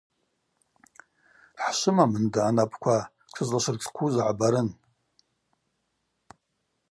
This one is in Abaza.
Хӏшвымамында, анапӏква, тшызлашвыртшхъвуз гӏбарын.